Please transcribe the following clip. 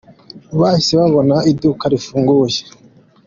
Bahise babona iduka rifunguye.